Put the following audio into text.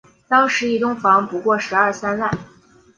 当时一栋房不过十二三万